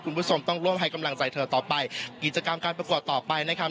คุณผู้ชมต้องร่วมให้กำลังใจเธอต่อไปกิจกรรมการประกวดต่อไปนะครับ